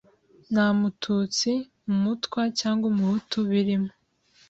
Nta mututsi, umutwa ,cyangwa umuhutu birimo